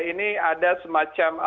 ini ada semacam